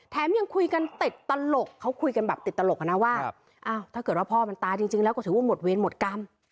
ยังคุยกันติดตลกเขาคุยกันแบบติดตลกอะนะว่าอ้าวถ้าเกิดว่าพ่อมันตายจริงแล้วก็ถือว่าหมดเวรหมดกรรม